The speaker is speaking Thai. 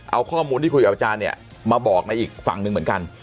เอาข้อมูลที่คุยกับอาจารย์เนี่ยมาบอกในอีกฝั่งหนึ่งเหมือนกัน